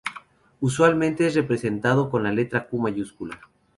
Usualmente es representado con la letra Q mayúscula.